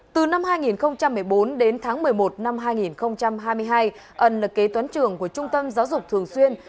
từ năm hai nghìn một mươi bốn đến tháng một mươi một năm hai nghìn hai mươi hai ân là kế toán trưởng của trung tâm giáo dục thường xuyên